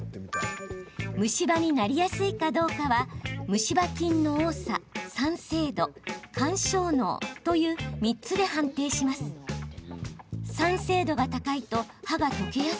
虫歯になりやすいかどうかは虫歯菌の多さ、酸性度、緩衝能という３つで判定します。